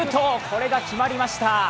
これが決まりました。